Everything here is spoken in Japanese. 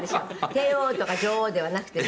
「帝王とか女王ではなくてね」